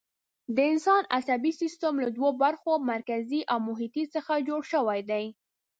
د انسان عصبي سیستم له دوو برخو، مرکزي او محیطي څخه جوړ شوی دی.